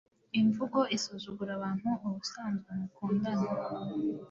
imvugo isuzugura abantu ubusanzwe mukundana